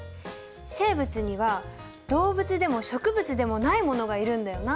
生物には動物でも植物でもないものがいるんだよな。